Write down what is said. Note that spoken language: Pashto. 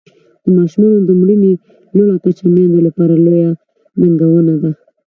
د ماشومانو د مړینې لوړه کچه میندو لپاره لویه ننګونه ده.